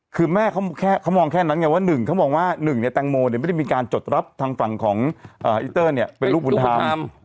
คือแม่เขามองแค่นั้นไงว่า๑แปลงโมนไม่ได้มีการจดรับทางฝั่งของอิสเตอร์เป็นลูกวุฒาธรรม